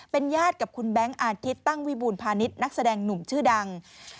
เป็นญาติกับคุณแบงค์อาทิตย์ตั้งวิบูรพาณิชย์นักแสดงหนุ่มชื่อดัง